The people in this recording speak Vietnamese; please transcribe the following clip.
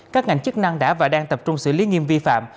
các ngành chức năng đã và đang tập trung xử lý nghiêm vi phạm